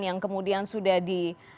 yang kemudian sudah di